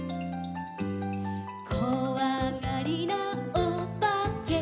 「こわがりなおばけ」